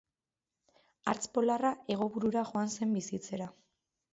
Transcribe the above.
Hartz polarra hego burura joan zen bizitzera.